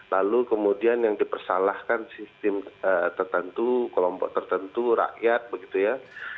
lalu kemudian yang dipersalahkan sistem tertentu kelompok tertentu rakyat begitu ya